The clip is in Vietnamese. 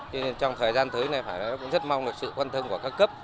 cho nên trong thời gian tới này cũng rất mong là sự quan tâm của các cấp